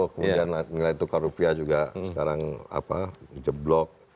kemudian nilai tukar rupiah juga sekarang jeblok